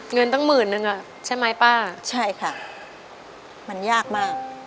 เงินตั้งหมื่นนึงอ่ะใช่ไหมป้าใช่ค่ะมันยากมาก